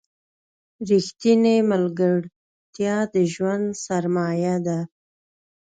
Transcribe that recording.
رښتینې ملګرتیا د ژوند سرمایه ده.